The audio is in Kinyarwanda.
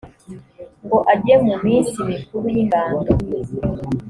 ngo ajye mu minsi mikuru y ingando